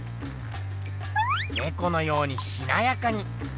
ねこのようにしなやかに。